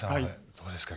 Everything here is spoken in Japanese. どうですか。